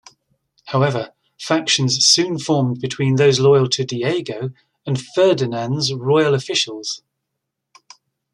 However, factions soon formed between those loyal to Diego and Ferdinand's royal officials.